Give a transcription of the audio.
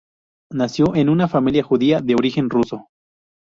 Nació en una familia judía de origen ruso.